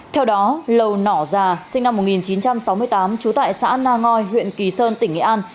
theo đó lầu nỏ già sinh năm một nghìn chín trăm sáu mươi tám trú tại xã na ngoi huyện kỳ sơn tỉnh nghệ an